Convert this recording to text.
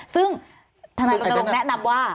ซึ่งธนายรณรงค์แนะนำว่า